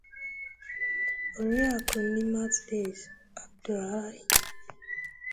Oriakụ Neemat Days Abdulrahmim